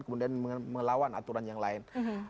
kemudian melawan aturan yang lain